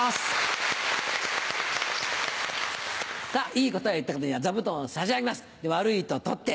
いい答えを言った方には座布団を差し上げます悪いと取って。